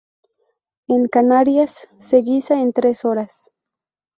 En Canarias se "guisa" en tres horas.